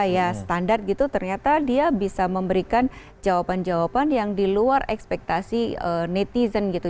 ya standar gitu ternyata dia bisa memberikan jawaban jawaban yang di luar ekspektasi netizen gitu